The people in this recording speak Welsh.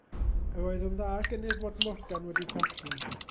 Yr oedd yn dda gennyf fod Morgan wedi colli.